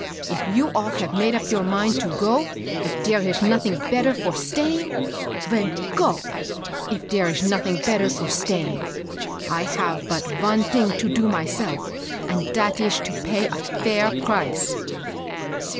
If you all have made up your mind to go if dere ish nothing better for staying, vy go ; for dere ish nothing better for staying. I have but von ting to do myself, and dat ish to pay de fair price.'